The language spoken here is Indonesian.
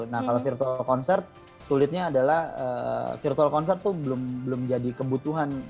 nah kalau virtual concert sulitnya adalah virtual concert tuh belum jadi kebutuhan